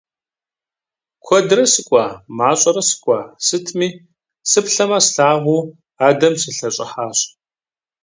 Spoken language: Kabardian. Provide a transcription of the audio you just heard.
Куэдрэ сыкӀуа, мащӀэрэ сыкӀуа, сытми, сыплъэмэ слъагъуу адэм сылъэщӀыхьащ.